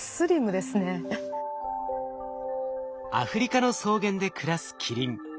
アフリカの草原で暮らすキリン。